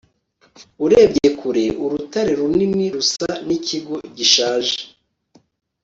urebye kure, urutare runini rusa n'ikigo gishaje